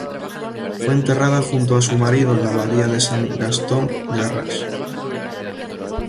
Fue enterrada junto a su marido en la abadía de San Gastón de Arras.